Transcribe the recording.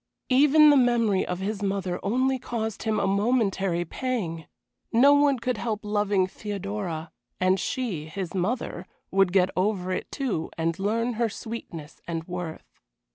Even the memory of his mother only caused him a momentary pang. No one could help loving Theodora, and she his mother would get over it, too, and learn her sweetness and worth.